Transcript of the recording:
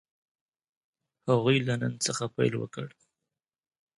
هغوی له نن څخه پيل وکړ.